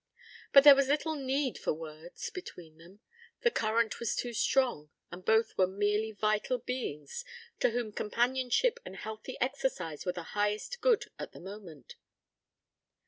But there was little need for words between them; the current was too strong, and both were merely vital beings to whom companionship and healthy exercise were the highest good at the moment.